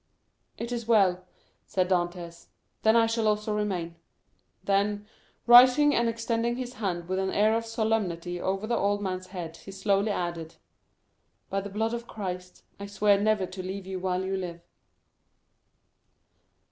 "It is well," said Dantès. "Then I shall also remain." Then, rising and extending his hand with an air of solemnity over the old man's head, he slowly added, "By the blood of Christ I swear never to leave you while you live."